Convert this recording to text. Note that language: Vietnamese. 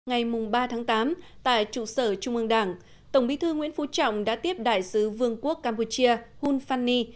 ngày ba tháng tám tại trụ sở trung ương đảng tổng bí thư nguyễn phú trọng đã tiếp đại sứ vương quốc campuchia hun fani